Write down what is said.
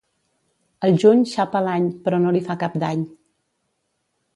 El juny xapa l'any, però no li fa cap dany.